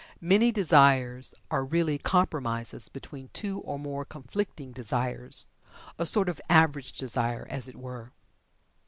Many Desires are really compromises between two or more conflicting Desires a sort of average Desire, as it were.